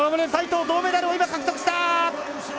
齋藤、銅メダルを今、獲得した！